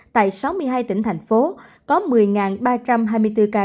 tại sáu mươi hai tỉnh thành phố có một mươi ba trăm hai mươi bốn ca